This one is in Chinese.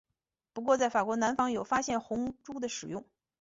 不过在法国南方有发现红赭的使用。